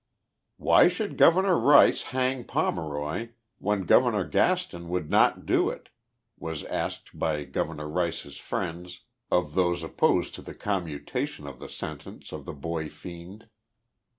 u Why should Governor Rice hang Pomeroy when Governor Gaston would not do it was asked by Governor Rice's friends of those opposed to the commutation of the sentence of the boy fiend.